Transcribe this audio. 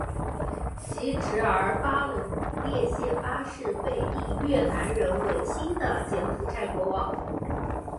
其侄儿巴龙列谢八世被立越南人为新的柬埔寨国王。